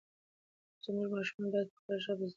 زموږ ماشومان باید په خپله ژبه زده کړه وکړي.